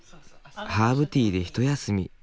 ハーブティーで一休み。